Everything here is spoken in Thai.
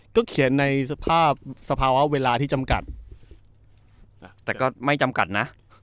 ก็เขียนในสภาพสภาวะเวลาที่จำกัดแต่ก็ไม่จำกัดนะ